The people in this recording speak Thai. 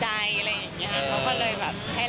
ใช้ดื่มเหนื่อยแล้ว